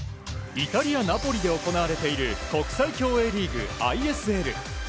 イタリア・ナポリで行われている国際競泳リーグ・ＩＳＬ。